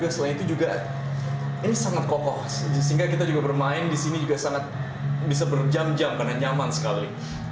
selain itu juga ini sangat kokoh sehingga kita juga bermain di sini juga sangat bisa berjam jam karena nyaman sekali